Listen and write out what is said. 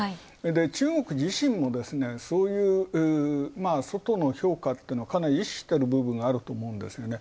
中国自身もそういう外の評価ってかなり意識してる部分があると思うんです。